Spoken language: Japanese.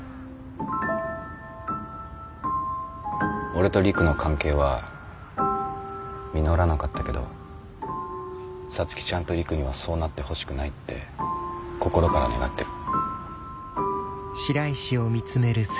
俺と陸の関係は実らなかったけど皐月ちゃんと陸にはそうなってほしくないって心から願ってる。